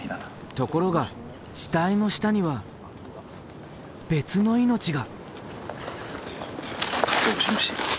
ところが死体の下には別の命が。